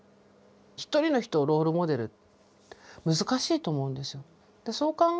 一人の人をロールモデル難しいと思うんですよ。